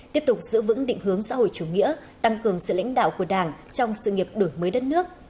tiếp tục giữ vững định hướng xã hội chủ nghĩa tăng cường sự lãnh đạo của đảng trong sự nghiệp đổi mới đất nước